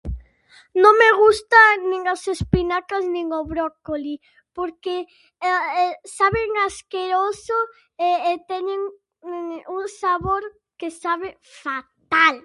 No me gusta nin as espinacas nin o brócoli porque saben asqueroso e e teñen un sabor que sabe fatal.